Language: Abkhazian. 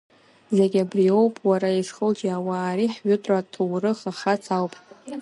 Зегь абриоуп, уара, изхылҿиаауа, ари ҳжәытәра ҭоурых ахац ауп…